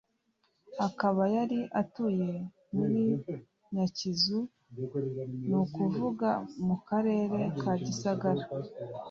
Akaba yari atuye muri Nyakizu ni ukuvuga mu Karere ka Gisagara.